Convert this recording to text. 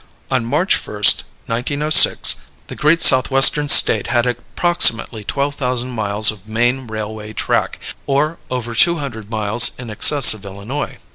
On March 1, 1906, the great Southwestern State had approximately twelve thousand miles of main railway track, or over two hundred miles in excess of Illinois.